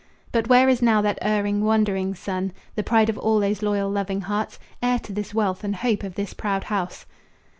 But where is now that erring, wandering son, The pride of all these loyal, loving hearts, Heir to this wealth and hope of this proud house?